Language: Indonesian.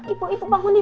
ibu ibu bangun ibu